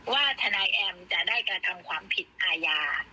ว่าทนายแอมจะได้กระทำความผิดอาญา